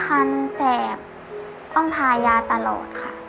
คันแสบต้องทายาตลอดค่ะ